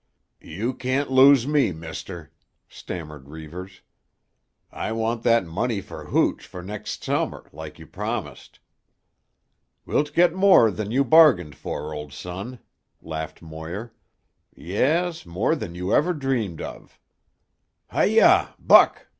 "You can't lose me, mister," stammered Reivers. "I want that money for hooch for next Summer like you promised." "Wilt get more than you bargained for, old son," laughed Moir. "Yes, more than you ever dreamed of. Hi yah! Buck!